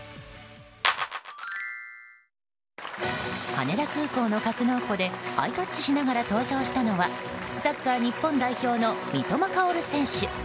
羽田空港の格納庫でハイタッチしながら登場したのはサッカー日本代表の三笘薫選手。